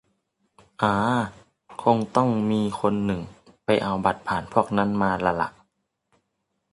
อ๋า คงต้องมีคนหนึ่งไปเอาบัตรผ่านพวกนั้นมาละล่ะ